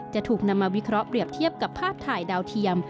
จะถูกนำมาวิเคราะห์เปรียบเทียบกับภาพถ่ายดาวเทียม